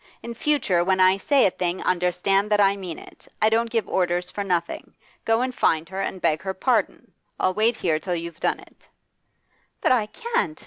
In future, when I say a thing understand that I mean it; I don't give orders for nothing. Go and find her and beg her pardon. I'll wait here till you've done it.' 'But I can't!